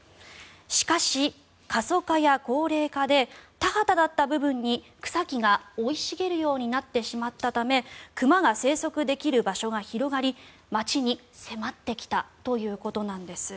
しかし、過疎化や高齢化で田畑だった部分に草木が生い茂るようになってしまったため熊が生息できる場所が広がり街に迫ってきたということなんです。